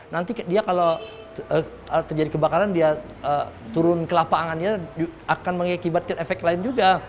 nanti dia kalau terjadi kebakaran dia turun ke lapangannya akan mengakibatkan efek lain juga